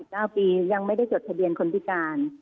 เก้าปียังไม่ได้จดทะเบียนคนพิการ